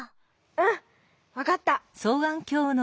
うんわかった！